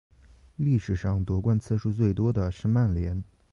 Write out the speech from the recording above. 历史上夺冠次数最多的是曼联。